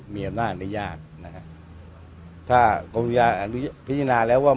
มีการที่จะพยายามติดศิลป์บ่นเจ้าพระงานนะครับ